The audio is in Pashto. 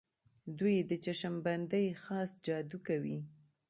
دوی د چشم بندۍ خاص جادو کوي.